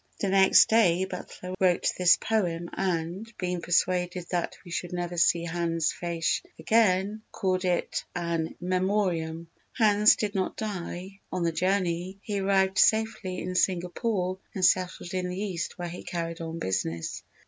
The next day Butler wrote this poem and, being persuaded that we should never see Hans Faesch again, called it an In Memoriam. Hans did not die on the journey, he arrived safely in Singapore and settled in the East where he carried on business.